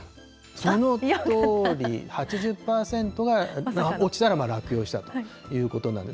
そのとおり、８０％が落ちたら落葉したということなんです。